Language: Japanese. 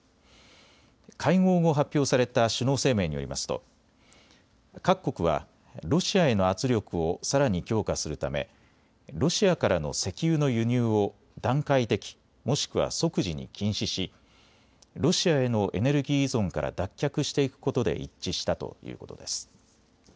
会合後、発表された首脳声明によりますと各国はロシアへの圧力をさらに強化するためロシアからの石油の輸入を段階的、もしくは即時に禁止しロシアへのエネルギー依存から脱却していくことで一致したということです。